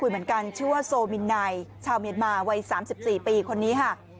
เหมือนกันชื่อว่าโซมินไนชาวเมียนมาวัย๓๔ปีคนนี้ค่ะ